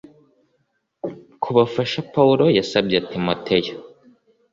Kubafasha pawulo yasabye timoteyo